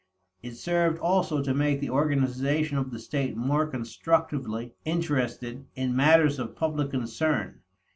It served also to make the organization of the state more constructively interested in matters of public concern.